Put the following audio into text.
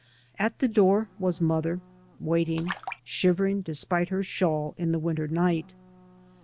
At the door was mother, waiting, shivering despite her shawl, in the winter night.